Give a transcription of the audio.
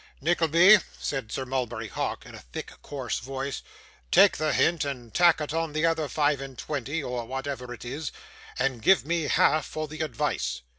'Nickleby,' said Sir Mulberry Hawk, in a thick coarse voice, 'take the hint, and tack it on the other five and twenty, or whatever it is, and give me half for the advice.